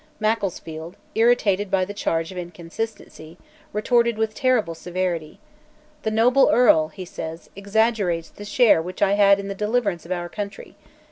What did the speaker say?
Macclesfield, irritated by the charge of inconsistency, retorted with terrible severity: "The noble Earl," he said, "exaggerates the share which I had in the deliverance of our country.